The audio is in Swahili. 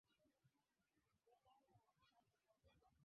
nchini tanzania kumbuka tu kutuma ujumbe mfupi wa maandishi